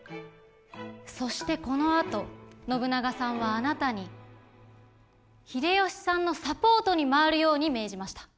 そしてこのあと信長さんはあなたに秀吉さんのサポートに回るように命じました。